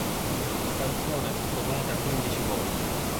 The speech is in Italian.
La canzone fu provata quindici volte.